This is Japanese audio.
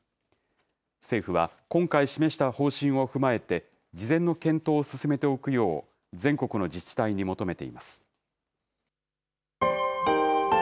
政府は、今回示した方針を踏まえて、事前の検討を進めておくよう、全国の自治体に求めています。